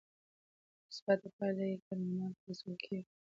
مثبته پایله یې کارمندانو ته رسول کیږي.